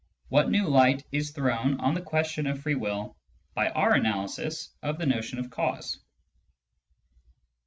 what new light is thrown on the question of free will by our analysis of the notion of "cause."